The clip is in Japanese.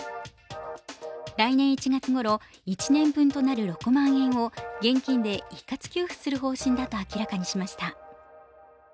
来年１月ごろ、１年分となる６万円を現金で一括給付する方針だと明らかにしました。